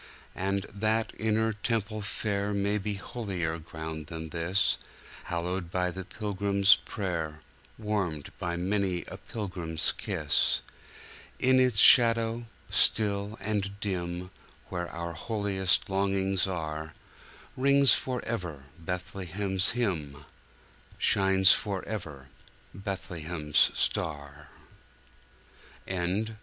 And that inner temple fair May be holier ground than this, Hallowed by the pilgrim's prayer, Warmed by many a pilgrim's kiss.In its shadow still and dim, Where our holiest longings are, Rings forever Bethlehem's hymn, Shines forever Bethlehem's star.